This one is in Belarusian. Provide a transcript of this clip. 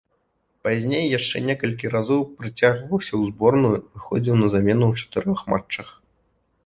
Пазней яшчэ некалькі разоў прыцягваўся ў зборную, выхадзіў на замену ў чатырох матчах.